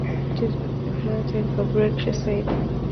"It was definitely time for a break," she said.